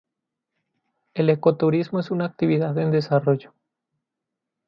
El ecoturismo es una actividad en desarrollo.